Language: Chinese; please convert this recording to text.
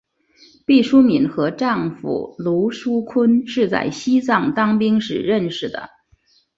毕淑敏和丈夫芦书坤是在西藏当兵时认识的。